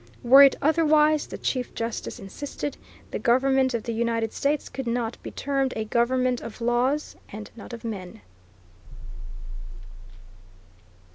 Were it otherwise, the Chief Justice insisted, the government of the United States could not be termed a government of laws and not of men.